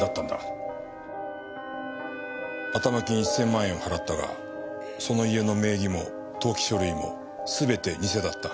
頭金１０００万円を払ったがその家の名義も登記書類も全て偽だった。